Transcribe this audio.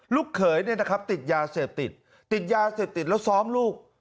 ลูกเขยเนี่ยนะครับติดยาเสพติดติดยาเสพติดแล้วซ้อมลูก